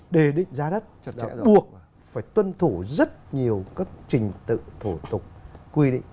đề định ra đất buộc phải tuân thủ rất nhiều các trình tự thủ tục quy định